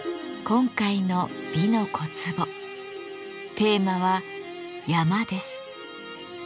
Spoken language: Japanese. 今回の「美の小壺」テーマは「山」です。